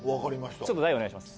ちょっと台お願いします。